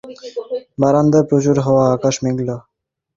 বারান্দায় প্রচুর হাওয়া, আকাশ মেঘলা।